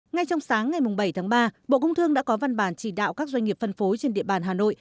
ngay trong sáng ngày bảy tháng ba bộ công thương đã có văn bản chỉ đạo các doanh nghiệp phân phối trên địa bàn hà nội